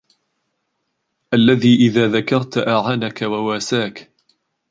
الَّذِي إذَا ذَكَرْت أَعَانَك وَوَاسَاك